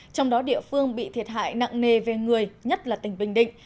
trong đó địa phương bị thiệt hại nặng nề về người nhất là tỉnh bình định